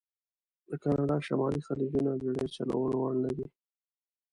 د کانادا شمالي خلیجونه بېړیو چلولو وړ نه دي.